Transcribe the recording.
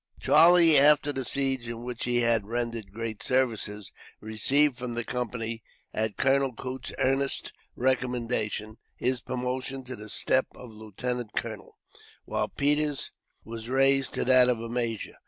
Charlie, after the siege, in which he had rendered great services, received from the Company, at Colonel Coote's earnest recommendation, his promotion to the step of lieutenant colonel; while Peters was raised to that of major.